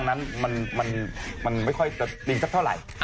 มันไม่ค่อยจะดีซักเท่าไหล่